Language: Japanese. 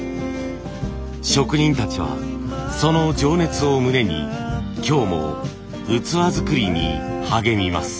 職人たちはその情熱を胸に今日も器作りに励みます。